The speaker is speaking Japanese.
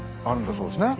そうですね。